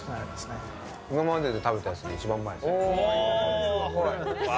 今まで食べたやつで一番うまいですね。